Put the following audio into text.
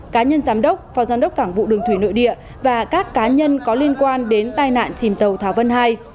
cá nhân giám đốc phó giám đốc cảng vụ đường thủy nội địa và các cá nhân có liên quan đến tai nạn chìm tàu thảo vân ii